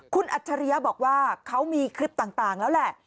คุณอัจฉริยะบอกว่าเขามีคลิปต่างแล้วแหละ